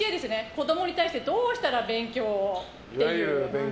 子供に対してどうしたら勉強をっていう。